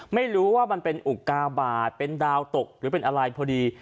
ไม่รู้ว่ามันเป็นอุกาบาทเป็นดาวตกหรือเป็นอะไรพอดี